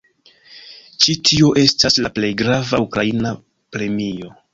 Ĉi tio estas la plej grava ukrainia premio.